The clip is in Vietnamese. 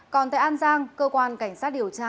còn tại an giang cơ quan cảnh sát điều tra